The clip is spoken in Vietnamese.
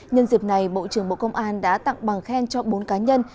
nhân dịp này bộ trưởng bộ công an đã tặng bằng khen cho bốn cá nhân